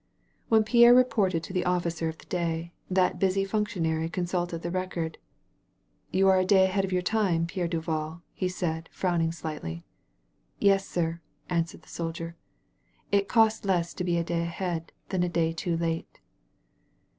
When Pierre reported to the officer of the day, that busy fimctionary consulted the record. "You are a day ahead of your time, Pierre Du val," he said, frowning slightly. "Yes, sir," answered the soldier. "It costs less to be a day ahead than a day too late."